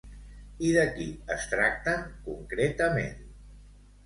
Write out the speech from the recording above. I de qui es tracten concretament?